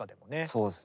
そうですね。